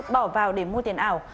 bỏ vào để mua tiền ảo